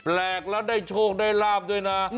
แหกแล้วได้โชคได้ลาบด้วยนะ